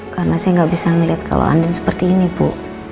karena saya gak bisa ngeliat kalau anden seperti ini bu